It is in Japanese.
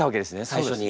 最初に。